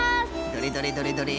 どれどれどれどれ？